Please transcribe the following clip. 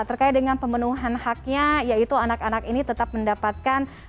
terkait dengan pemenuhan haknya yaitu anak anak ini tetap mendapatkan